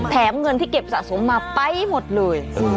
เงินที่เก็บสะสมมาไปหมดเลย